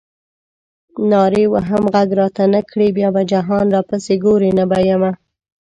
نارې وهم غږ راته نه کړې بیا به جهان راپسې ګورې نه به یمه.